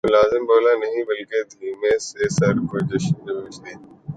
ملازم بولا نہیں بلکہ دھیمے سے سر کو جنبش دی